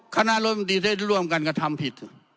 คณะรัฐมนตรีทั้งทั้งร่วมกันก็ทำผิด